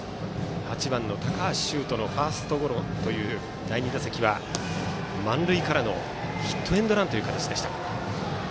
８番の高橋秀斗のファーストゴロという第２打席は満塁からのヒットエンドランという形でした。